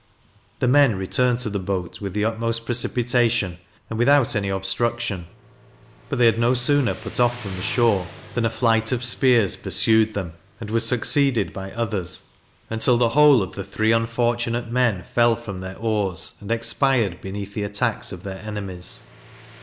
The men returned to the boat with the utmost precipitation, and without any obstruction; but they had no sooner put off from the shore, than a flight of spears pursued them, and was succeeded by others, until the whole of the three unfortunate men fell from their oars, and expired beneath the attacks of their enemies.